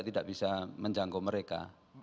tidak bisa menjangkau mereka